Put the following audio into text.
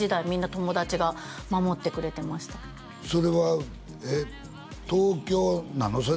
みんな友達が守ってくれてましたそれはえっ東京なの？